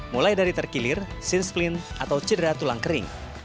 mulai dari terkilir sin splint atau cedera tulang kering